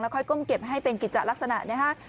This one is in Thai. ค่อยก้มเก็บให้เป็นกิจจะลักษณะนะฮะ